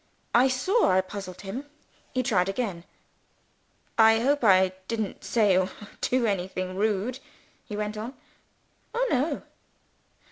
I saw I puzzled him. He tried again. "I hope I didn't say or do anything rude?" he went on. "Oh, no!"